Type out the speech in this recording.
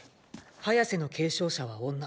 ハヤセの継承者は女。